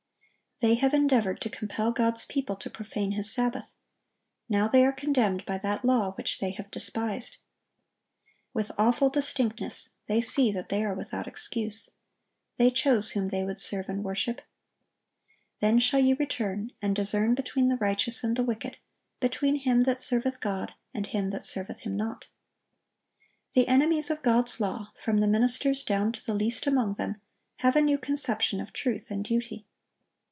They have endeavored to compel God's people to profane His Sabbath. Now they are condemned by that law which they have despised. With awful distinctness they see that they are without excuse. They chose whom they would serve and worship. "Then shall ye return, and discern between the righteous and the wicked, between him that serveth God and him that serveth Him not."(1102) The enemies of God's law, from the ministers down to the least among them, have a new conception of truth and duty.